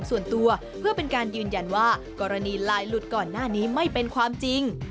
ส่วนตัวเพื่อเป็นการยืนยันว่ากรณีไลน์หลุดก่อนหน้านี้ไม่เป็นความจริง